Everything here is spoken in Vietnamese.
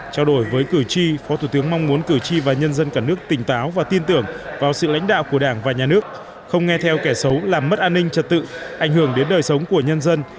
trao đổi với cử tri phó thủ tướng mong muốn cử tri và nhân dân cả nước tỉnh táo và tin tưởng vào sự lãnh đạo của đảng và nhà nước không nghe theo kẻ xấu làm mất an ninh trật tự ảnh hưởng đến đời sống của nhân dân